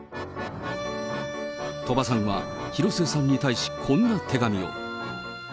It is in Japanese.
鳥羽さんは広末さんに対し、こんな手紙を。